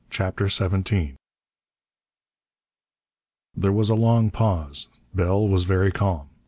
CHAPTER XVII There was a long pause. Bell was very calm.